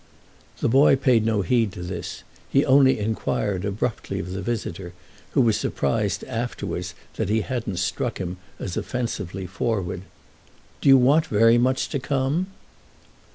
The boy paid no heed to this; he only enquired abruptly of the visitor, who was surprised afterwards that he hadn't struck him as offensively forward: "Do you want very much to come?"